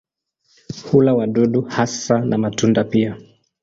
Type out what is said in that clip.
Hula wadudu hasa na matunda pia.